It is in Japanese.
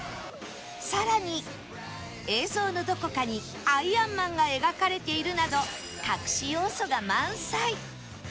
さらに映像のどこかにアイアンマンが描かれているなど隠し要素が満載！